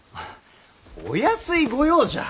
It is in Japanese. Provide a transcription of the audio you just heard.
お安い御用じゃ！